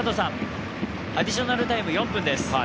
アディショナルタイム４分です。